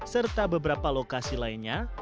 serta beberapa lokasi lainnya